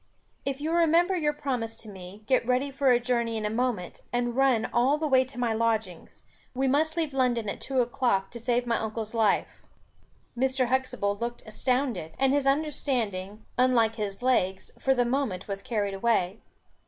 "If you remember your promise to me, get ready for a journey in a moment, and run all the way to my lodgings. We must leave London, at two o'clock, to save my Uncle's life." Mr. Huxtable looked astounded, and his understanding, unlike his legs, for the moment was carried away.